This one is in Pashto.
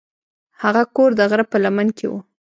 هغه کور د غره په لمن کې و.